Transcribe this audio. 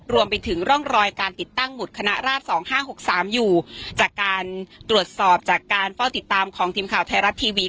รวมไปถึงร่องรอยการติดตั้งหุดคณะราช๒๕๖๓อยู่จากการตรวจสอบจากการเฝ้าติดตามของทีมข่าวไทยรัฐทีวี